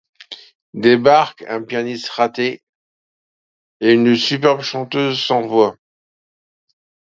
Débarquent un pianiste raté et une superbe chanteuse sans voix.